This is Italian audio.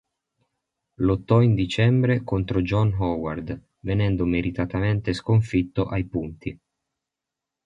Lottò in dicembre contro John Howard, venendo meritatamente sconfitto ai punti.